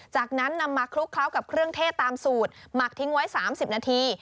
จากนั้นนำมาคลุกเคล้ากับเครื่องเทศตามสูตรหมักทิ้งไว้๓๐นาที